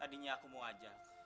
tadinya aku mau ajak